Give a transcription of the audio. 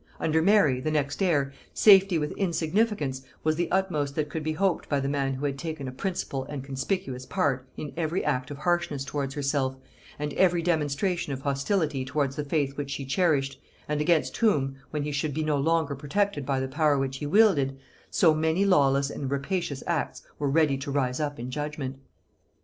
Under Mary, the next heir, safety with insignificance was the utmost that could be hoped by the man who had taken a principal and conspicuous part in every act of harshness towards herself, and every demonstration of hostility towards the faith which she cherished, and against whom, when he should be no longer protected by the power which he wielded, so many lawless and rapacious acts were ready to rise up in judgement.